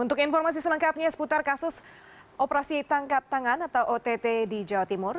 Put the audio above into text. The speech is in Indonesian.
untuk informasi selengkapnya seputar kasus operasi tangkap tangan atau ott di jawa timur